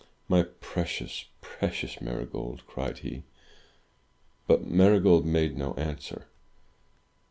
"My precious, precious Marygold!" cried he. But Marygold made no answer.